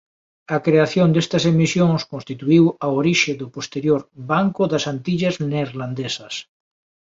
A creación destas emisións constituíu a orixe do posterior Banco das Antillas Neerlandesas.